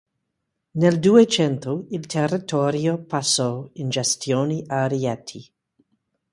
Nel Duecento il territorio passò in gestione a Rieti.